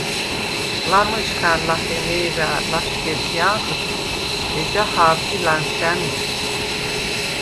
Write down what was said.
ლამჷჟხა̈ნ ლახე მე̄რა̄̈ლ ლაშგედთე ანღრიხ, ეჯა ჰა̄ვდრი ლა̈ნშა̈ნ ლი.